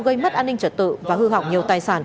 gây mất an ninh trật tự và hư hỏng nhiều tài sản